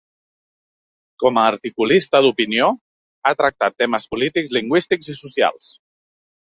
Com a articulista d’opinió, ha tractat temes polítics, lingüístics i socials.